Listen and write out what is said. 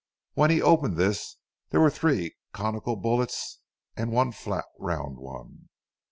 When he opened this there were three conical bullets and one fat round one.